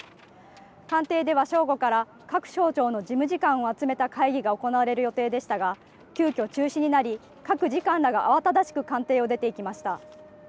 官邸では正午から各省庁の事務次官を集めた会議が行われる予定でしたが急きょ、中止になり慌ただしく官邸を出ていきました。